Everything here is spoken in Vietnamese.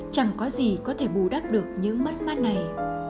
chẳng có gì có thể bù đắp được những mất mát này